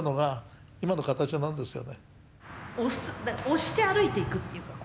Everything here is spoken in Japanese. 押して歩いていくっていうか。